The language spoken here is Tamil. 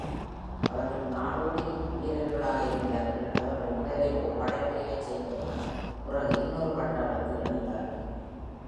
அவர்கள் நாடோடிச் வீரர்களாக இருந்தார்கள். அவர்கள் முதலில் ஒரு படைப்பிரிவைச் சேர்ந்தவர்கள். பிறகு இன்னொரு பட்டாளத்தில் இணைந்தார்கள்.